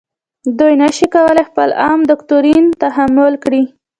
دوی نشي کولای خپل عام دوکتورین تحمیل کړي.